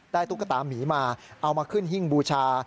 ตุ๊กตามีมาเอามาขึ้นหิ้งบูชา